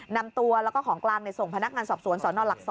นำตัวและของกลางในส่งพนักงานสอบสวนสอนอลหลัก๒